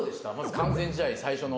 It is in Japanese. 完全試合最初の。